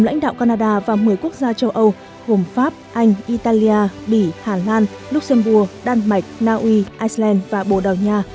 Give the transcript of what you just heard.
lãnh đạo canada và một mươi quốc gia châu âu gồm pháp anh italia bỉ hà lan luxembourg đan mạch naui iceland và bồ đào nha